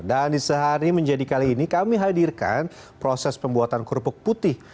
dan di sehari menjadi kali ini kami hadirkan proses pembuatan kerupuk putih